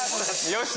「よし！」